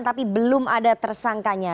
tapi belum ada tersangkanya